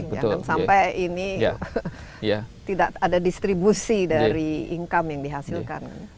karena ini tidak ada distribusi dari income yang dihasilkan